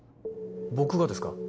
僕がですか？